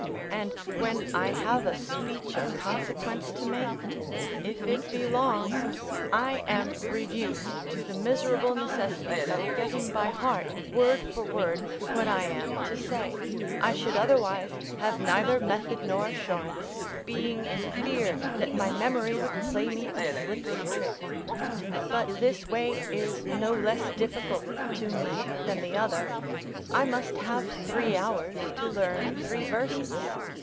And when I have a speech of consequence to make, if it be long, I am reduced to the miserable necessity of getting by heart word for word, what I am to say; I should otherwise have neither method nor assurance, being in fear that my memory would play me a slippery trick. But this way is no less difficult to me than the other; I must have three hours to learn three verses.